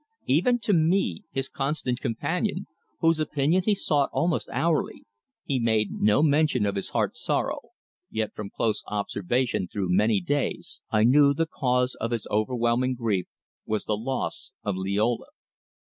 Even to me, his constant companion, whose opinion he sought almost hourly, he made no mention of his heart's sorrow, yet from close observation through many days, I knew the cause of his overwhelming grief was the loss of Liola.